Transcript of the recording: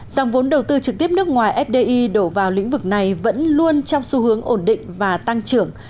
dòng vốn đầu tư trực tiếp nước ngoài fdi đổ vào lĩnh vực này vẫn luôn trong xu hướng ổn định và tăng trưởng